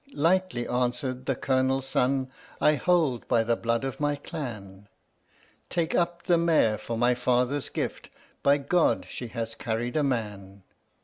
Lightly answered the Colonel's son: "I hold by the blood of my clan: Take up the mare for my father's gift by God, she has carried a man!"